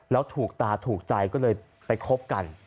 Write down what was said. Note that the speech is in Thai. แล้วถูกตาถูกใจก็เลยไปคบกัน